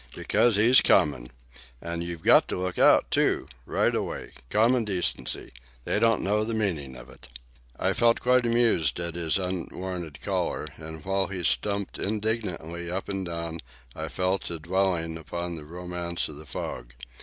Because he's comin'! And you've got to look out, too! Right of way! Common decency! They don't know the meanin' of it!" I felt quite amused at his unwarranted choler, and while he stumped indignantly up and down I fell to dwelling upon the romance of the fog.